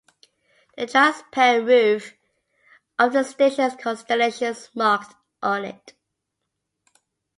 The transparent roof of the station has constellations marked on it.